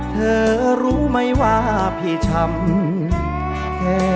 เธอรู้ไหมว่าพี่ชำแค่ไหน